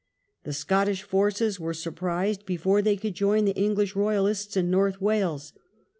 The Scottish forces were sur prised before they could join the English royalists in North Wales.